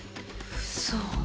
嘘。